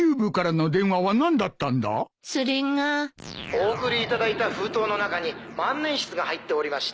☎お送りいただいた封筒の中に万年筆が入っておりまして